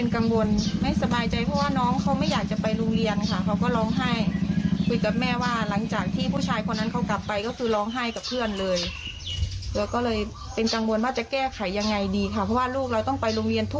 คนที่มาตามเป็นใครอะไรยังไง